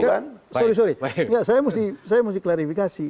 maaf maaf saya mesti klarifikasi